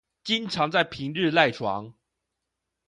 經常在平日賴床